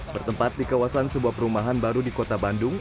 bertempat di kawasan sebuah perumahan baru di kota bandung